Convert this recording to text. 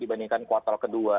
bandingkan kuartal kedua